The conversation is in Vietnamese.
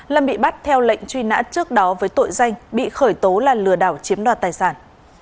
lâm bị bắt theo lệnh truy nã trước đó với tội danh bị khởi tố là lừa đảo chiếm đoạt tài sản